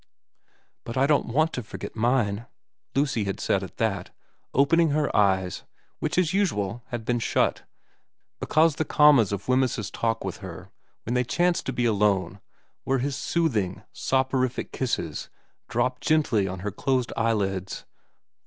* But I don't want to forget mine,' Lucy had said at that, opening her eyes, which as usual had been shut, because the commas of Wemyss's talk with her when they chanced to be alone were his soothing, soporific kisses dropped gently on her closed eyelids.